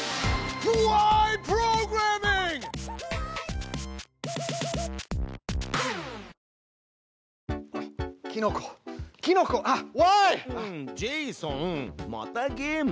うんジェイソンまたゲーム？